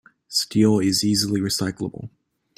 Steel is easily recyclable.